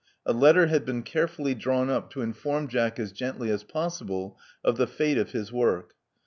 A letter had been carefully drawn up to inform Jack as gently as possible of the fate of his work.